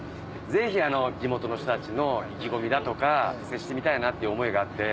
ぜひ地元の人たちの意気込みだとか接してみたいなって思いがあって。